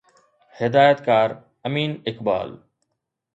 هدايتڪار امين اقبال